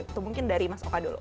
itu mungkin dari mas oka dulu